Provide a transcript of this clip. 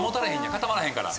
固まらへんから。